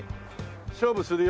勝負するよ。